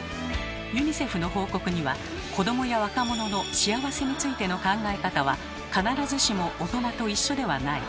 ユニセフの報告には「子どもや若者の幸せについての考え方は必ずしも大人と一緒ではない。